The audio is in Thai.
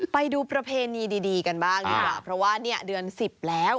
ไปดูประเพณีดีกันบ้างดีกว่าเพราะว่าเนี่ยเดือน๑๐แล้ว